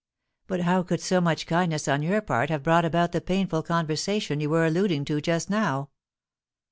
"But how could so much kindness on your part have brought about the painful conversation you were alluding to just now?"